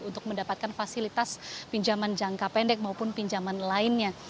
untuk mendapatkan fasilitas pinjaman jangka pendek maupun pinjaman lainnya